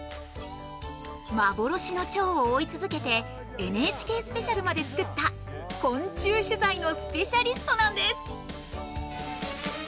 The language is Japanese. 幻のチョウを追い続けて「ＮＨＫスペシャル」まで作った昆虫取材のスペシャリストなんです。